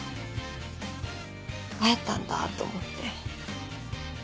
会えたんだと思って。